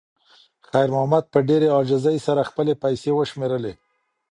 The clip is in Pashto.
خیر محمد په ډېرې عاجزۍ سره خپلې پیسې وشمېرلې.